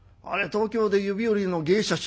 東京で指折りの芸者衆。